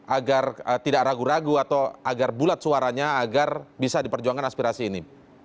agar tidak ragu ragu atau agar bulat suaranya agar bisa diperjuangkan aspirasi ini